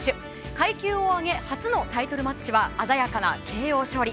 階級を上げ初のタイトルマッチは鮮やかなＫＯ勝利。